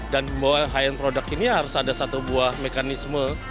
dan high end produk ini harus ada satu buah mekanisme